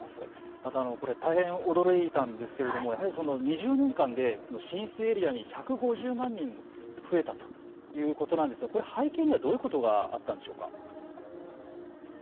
またこれ大変驚いたんですけれどもやはり２０年間でこの浸水エリアに１５０万人も増えたということなんですがこれは背景にはどういうことがあったんでしょうか。